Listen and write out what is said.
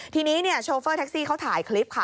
ทีนี้โชเฟอร์แท็กซี่เขาถ่ายคลิปค่ะ